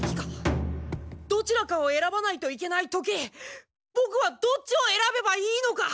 どちらかを選ばないといけない時ボクはどっちを選べばいいのか？